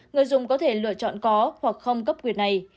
người dùng có thể lựa chọn có hoặc không cấp quyền này